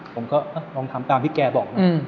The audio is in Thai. ผมก็ลองทำตามที่แกบอก